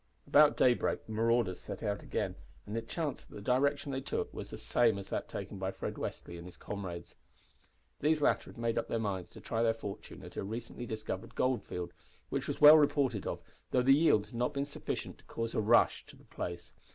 About daybreak the marauders set out again, and it chanced that the direction they took was the same as that taken by Fred Westly and his comrades. These latter had made up their minds to try their fortune at a recently discovered goldfield, which was well reported of, though the yield had not been sufficient to cause a "rush" to the place.